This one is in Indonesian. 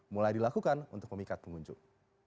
mulai dilakukan untuk memikat pengunjung